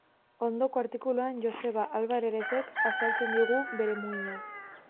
Ondoko artikuluan Joseba Alvarerezek azaltzen digu bere muina.